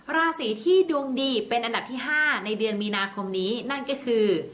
ราศีที่ดวงดีเป็นอันดับที่๕ในเดือนมีนาคมนี้นั่นก็คือ